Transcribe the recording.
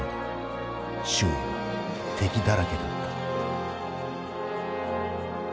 周囲は敵だらけだった」。